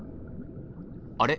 あれ？